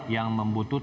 yang membutuhkan kegiatan